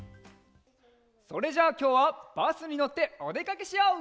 それじゃあきょうはバスにのっておでかけしよう！